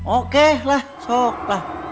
oke lah sok lah